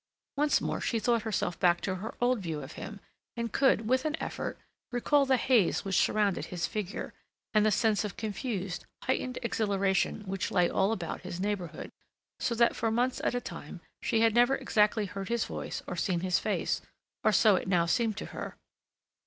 Once more she thought herself back to her old view of him and could, with an effort, recall the haze which surrounded his figure, and the sense of confused, heightened exhilaration which lay all about his neighborhood, so that for months at a time she had never exactly heard his voice or seen his face—or so it now seemed to her.